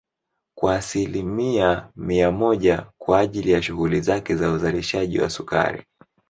kwa asilimia mia moja kwa ajili ya shughuli zake za uzalishaji wa sukari